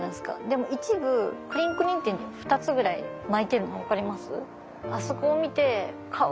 でも一部クリンクリンっていうの２つぐらい巻いてるの分かります？